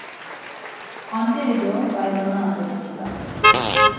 Anderi do ǩaybana doskidas!